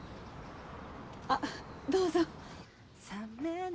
あどうぞ。